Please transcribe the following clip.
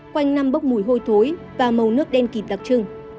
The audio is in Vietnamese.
quanh năm bốc mùi hôi thối và màu nước đen kịt đặc trưng